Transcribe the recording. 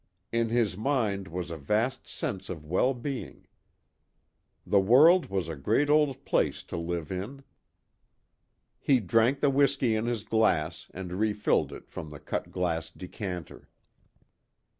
In his mind was a vast sense of well being. The world was a great old place to live in. He drank the whisky in his glass and refilled it from the cut glass decanter.